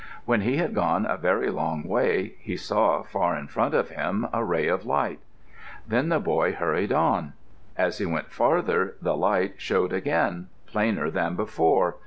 When he had gone a very long way he saw far in front of him a ray of light. Then the boy hurried on. As he went farther the light showed again, plainer than before.